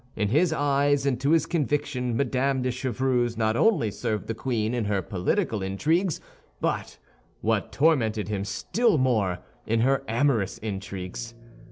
In his eyes and to his conviction, Mme. de Chevreuse not only served the queen in her political intrigues, but, what tormented him still more, in her amorous intrigues.